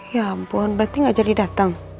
ya ampun berarti gak jadi datang